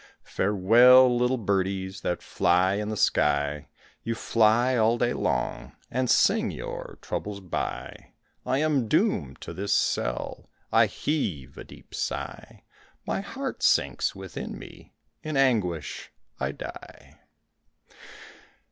Farewell, little birdies, That fly in the sky, You fly all day long And sing your troubles by; I am doomed to this cell, I heave a deep sigh; My heart sinks within me, In anguish I die.